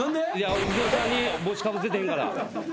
お地蔵さんに帽子かぶせてへんから。